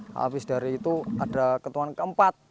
habis dari itu ada ketuaan keempat